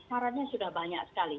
sarannya sudah banyak sekali